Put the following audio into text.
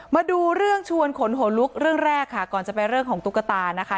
มาดูเรื่องชวนขนหัวลุกเรื่องแรกค่ะก่อนจะไปเรื่องของตุ๊กตานะคะ